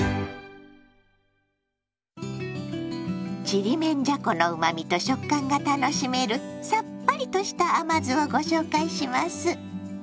ちりめんじゃこのうまみと食感が楽しめるさっぱりとした甘酢をご紹介します。